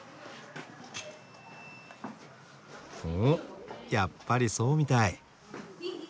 おやっぱりそうみたい。